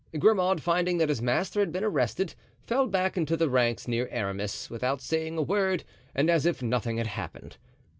Grimaud, finding that his master had been arrested, fell back into the ranks near Aramis, without saying a word and as if nothing had happened.